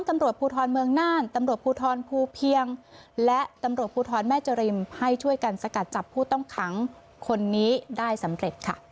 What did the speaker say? ให้ช่วยการสกัดจับผู้ต้องรั๗๕คนนี้ได้สำเร็จค่ะ